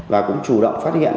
và cũng chủ động phát hiện